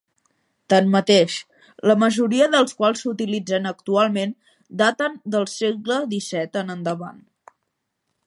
Tanmateix, la majoria dels quals s'utilitzen actualment daten del segle XVII en endavant.